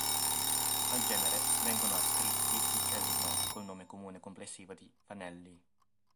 Al genere vengono ascritti uccelli noti col nome comune complessivo di fanelli.